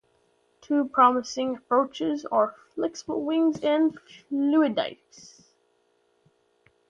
Two promising approaches are flexible wings, and fluidics.